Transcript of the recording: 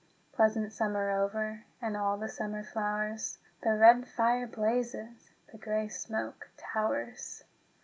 Pleasant summer over And all the summer flowers, The red fire blazes, The grey smoke towers.